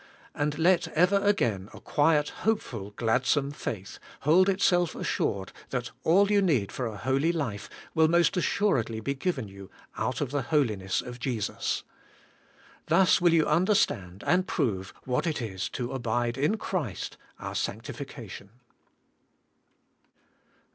And let ever again a quiet, hopeful, gladsome faith hold itself assured that all you need for a holy life will most assuredly be given you out of the holiness of Jesus. Thus will you understand and prove what it is to abide in Christ our sanctification.